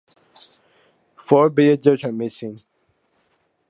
Four villagers are missing.